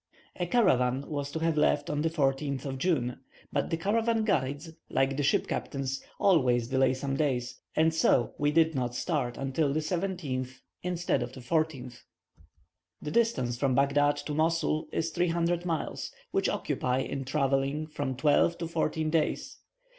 A caravan was to have left on the 14th of June, but the caravan guides, like the ship captains, always delay some days, and so we did not start until the 17th instead of the 14th. The distance from Baghdad to Mosul is 300 miles, which occupy in travelling from twelve to fourteen days.